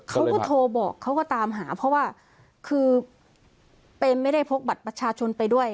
เขาก็โทรบอกเขาก็ตามหาเพราะว่าคือเป็นไม่ได้พกบัตรประชาชนไปด้วย